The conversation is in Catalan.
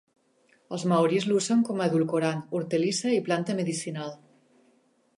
Els maoris l'usen com a edulcorant, hortalissa i planta medicinal.